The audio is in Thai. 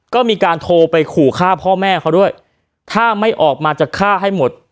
ก็มีการโทรไปขู่ฆ่าพ่อแม่เขาด้วยถ้าไม่ออกมาจะฆ่าให้หมด